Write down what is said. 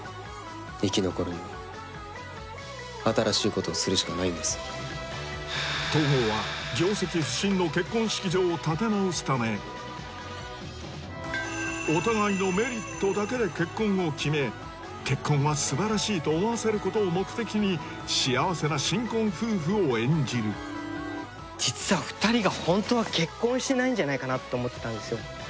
生き残るには新しいことをするしかないんです東郷はお互いのメリットだけで結婚を決め結婚は素晴らしいと思わせることを目的に幸せな新婚夫婦を演じる実は２人がホントは結婚してないんじゃないかなと思ってたんですよ